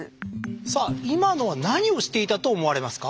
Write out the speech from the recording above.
さあ今のは何をしていたと思われますか？